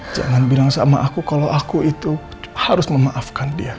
jangan bilang sama aku kalau aku itu harus memaafkan dia